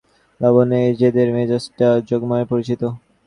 লাবণ্যর এই জেদের মেজাজটা যোগমায়ার পরিচিত।